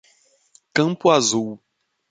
Campo Azul